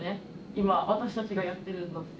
今私たちがやってるのって。